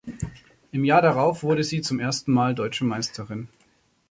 Im Jahr darauf wurde sie zum ersten Mal Deutsche Meisterin.